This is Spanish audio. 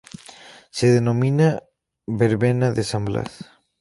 Se denominaba verbena de San Blas.